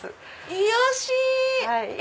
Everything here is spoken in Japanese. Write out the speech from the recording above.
癒やし！